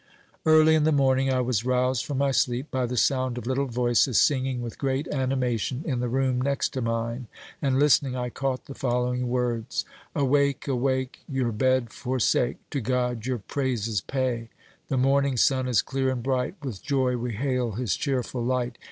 Early in the morning I was roused from my sleep by the sound of little voices singing with great animation in the room next to mine, and, listening, I caught the following words: "Awake! awake! your bed forsake, To God your praises pay; The morning sun is clear and bright; With joy we hail his cheerful light.